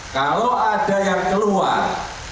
kalau ada yang keluar